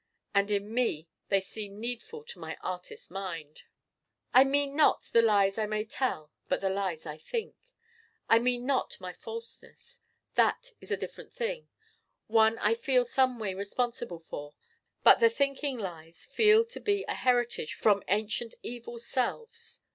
And in me they seem needful to my Artist mind. I mean not the lies I may tell but the lies I think. I mean not my falseness. That is a different thing, one I feel someway responsible for. But the thinking lies feel to be a heritage from ancient evil selves.